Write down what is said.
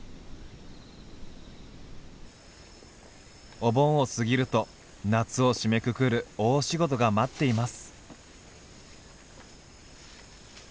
お盆を過ぎると夏を締めくくる大仕事が待っています。